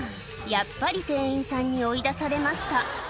やっぱり店員さんに追い出されました